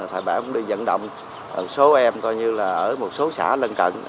thầy bảo cũng đi dẫn động một số em coi như là ở một số xã lân cận